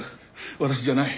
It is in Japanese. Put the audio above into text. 私じゃない。